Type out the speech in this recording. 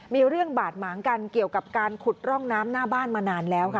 มีเรื่องบาดหมางกันเกี่ยวกับการขุดร่องน้ำหน้าบ้านมานานแล้วค่ะ